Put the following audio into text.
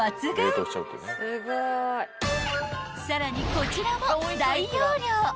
［さらにこちらも大容量］